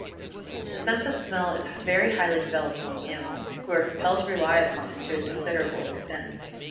The sense of Smell is very highly developed among animals, who are compelled to rely upon it to a considerable extent.